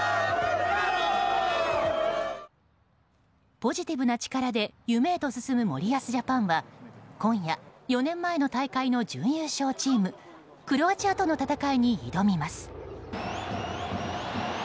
ポジティブな力で夢へと進む森保ジャパンは今夜、４年前の大会の準優勝チームクロアチアとの戦いに挑みます。